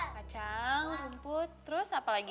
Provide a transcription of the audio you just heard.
kacang rumput terus apa lagi